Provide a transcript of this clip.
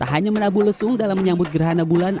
tak hanya menabuh lesu dalam menyambut gerhana bulan